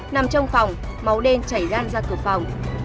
nằm trong phòng máu đen chảy gan ra cửa phòng